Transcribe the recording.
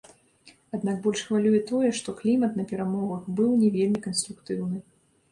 Аднак больш хвалюе тое, што клімат на перамовах быў не вельмі канструктыўны.